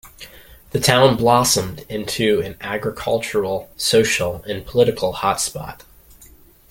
The town blossomed into an agricultural, social, and political hot spot.